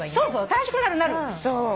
楽しくなるなる。